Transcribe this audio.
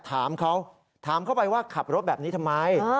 ถามเขาถามเข้าไปว่าขับรถแบบนี้ทำไม